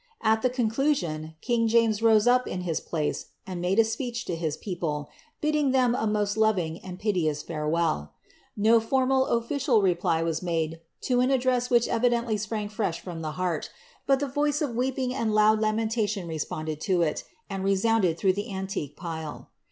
At ihc conclusion, kinff Jame; rose up in his place, and made a speech to his people, bidding ihem a most loving and piteous farewell.' Ko formal official replv was maJe lo an address which evidently sprang fresh from ihe heart, bi;l the voire of weeping and loud latnenlalioii responded to it, and resounded ihroush the antique pile.